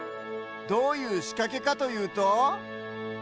どういうしかけかというと。